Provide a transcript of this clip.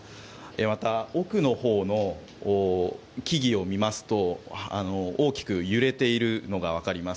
また、奥のほうの木々を見ますと大きく揺れているのがわかります。